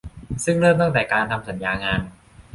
ซึ่งเริ่มตั้งแต่การทำสัญญางาน